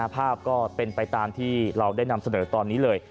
ภาพที่เป็นไปตามที่เราสนในตอนนี้เลย